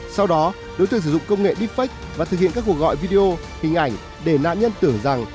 sau đó đối tượng sử dụng công nghệ deepfake và thực hiện các cuộc gọi video hình ảnh để nạn nhân tưởng rằng